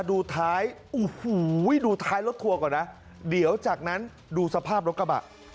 ดูท้ายโอ้โหดูท้ายรถทัวร์ก่อนนะเดี๋ยวจากนั้นดูสภาพรถกระบะ